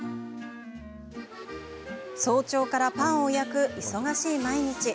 早朝からパンを焼く忙しい毎日。